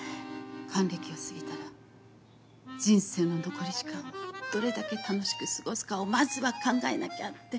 還暦を過ぎたら人生の残り時間をどれだけ楽しく過ごすかをまずは考えなきゃって。